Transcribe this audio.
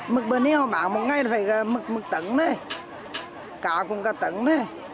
mực bờ này họ bán một ngày là phải mực tấn thôi cá cũng cả tấn thôi